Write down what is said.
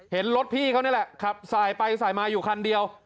เห็นรถพี่เขานี่แหละขับสายไปสายมาอยู่คันเดียว